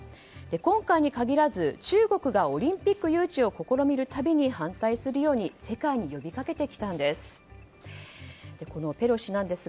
今回に限らず中国がオリンピック誘致を試みるたびに、反対するように世界に呼び掛けてきたんです。